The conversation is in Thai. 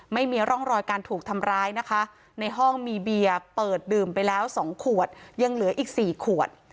ไม่มีร่องรอยการถูกทำร้ายนะคะในห้องมีเบียร์เปิดดื่มไปแล้ว๒ขวดยังเหลืออีก๔ขวด